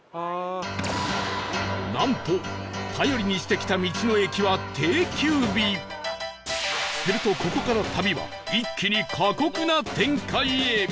なんと頼りにしてきたするとここから旅は一気に過酷な展開へ